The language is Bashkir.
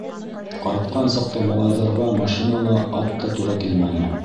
Ҡайтҡан саҡта малайҙарға машина ла, ат та тура килмәне.